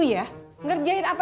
katanya main dua puluh ama